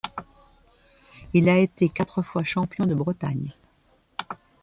Il a été quatre fois champion de Bretagne.